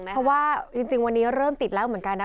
เพราะว่าจริงวันนี้เริ่มติดแล้วเหมือนกันนะ